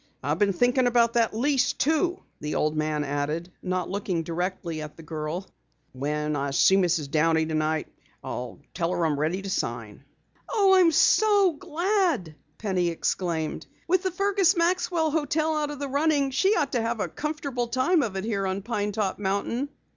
"I been thinkin' about that lease, too," the old man added, not looking directly at the girl. "When I see Mrs. Downey tonight I'll tell her I'm ready to sign." "Oh, I'm so glad!" Penny exclaimed. "With the Fergus Maxwell hotel out of the running, she ought to have a comfortable time of it here on Pine Top mountain."